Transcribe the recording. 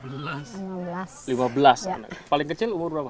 jadilah sangat paling kecil berapa